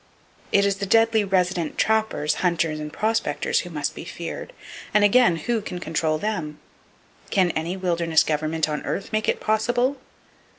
It is the deadly resident trappers, hunters and prospectors who must be feared! And again,—who can control them? Can any wilderness government on earth make it possible?